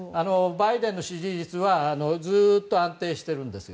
バイデンの支持率はずっと安定しているんです。